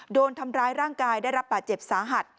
โดนทำร้ายร่างกายได้รับบาดเจ็บสาหัส